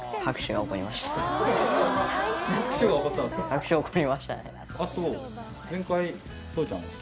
拍手起こりましたね